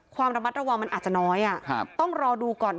ความระมัดระวังมันอาจจะน้อยต้องรอดูก่อน